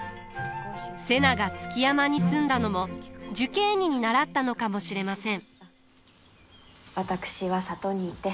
瀬名が築山に住んだのも寿桂尼に倣ったのかもしれません。